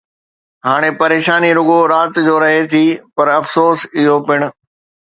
هاڻي پريشاني رڳو رات جو رهي ٿي، پر افسوس، اهو پڻ